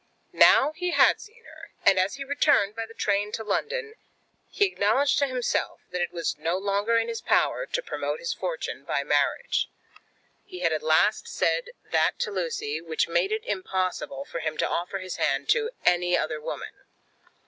Now he had seen her, and as he returned by the train to London, he acknowledged to himself that it was no longer in his power to promote his fortune by marriage. He had at last said that to Lucy which made it impossible for him to offer his hand to any other woman.